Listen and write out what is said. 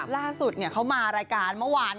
ล่าสุดเขามารายการเมื่อวาน